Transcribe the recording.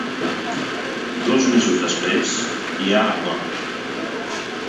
Dos mesos després, hi ha acord.